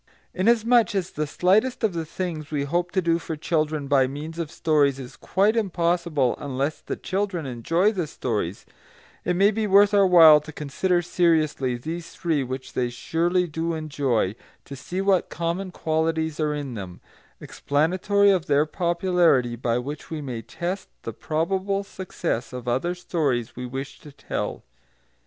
Inasmuch as the slightest of the things we hope to do for children by means of stories is quite impossible unless the children enjoy the stories, it may be worth our while to consider seriously these three which they surely do enjoy, to see what common qualities are in them, explanatory of their popularity, by which we may test the probable success of other stories we wish to tell.